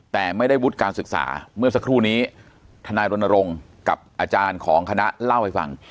แต่ไม่ได้วุฒิการศึกษาเมื่อสักครู่นี้ทนายรณรงค์กับอาจารย์ของคณะเล่าให้ฟัง